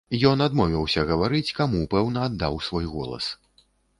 Ён адмовіўся гаварыць, каму пэўна аддаў свой голас.